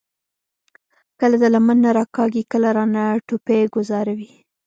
کله د لمن نه راکاږي، کله رانه ټوپۍ ګوذاري ـ